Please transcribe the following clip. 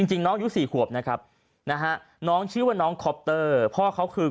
จริงน้องยู่สี่ขวบชื่อน้องควบเตอร์พ่อเขาคือ